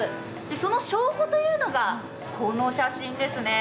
その証拠というのが、この写真ですね。